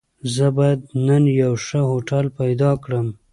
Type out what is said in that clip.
زه بايد نن يو ښه هوټل پيدا کړم.